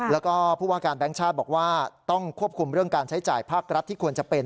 แล้วก็ผู้ว่าการแบงค์ชาติบอกว่าต้องควบคุมเรื่องการใช้จ่ายภาครัฐที่ควรจะเป็น